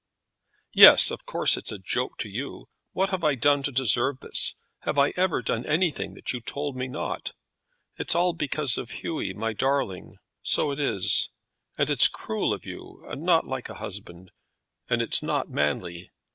"Yes; of course it's a joke to you. What have I done to deserve this? Have I ever done anything that you told me not? It's all because of Hughy, my darling, so it is; and it's cruel of you, and not like a husband; and it's not manly.